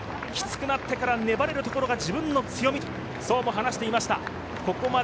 きつくなってから粘れるところが自分の強みと話していました。